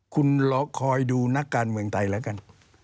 คุณรอคอยดูนักการเมืองไทยแล้วกัน